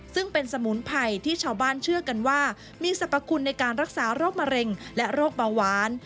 ซึ่งเป็นสมุนไพรที่ชาวบ้านเชื่อกันว่ามีสรรพคุณในการรักษาโรคมะเร็งและโรคเบาหวาน